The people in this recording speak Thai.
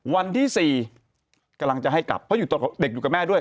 วันที่๔กำลังจะให้กลับเพราะอยู่ตอนเด็กอยู่กับแม่ด้วย